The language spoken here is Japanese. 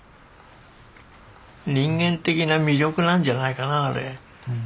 人間的な魅力なんじゃないかなあれ。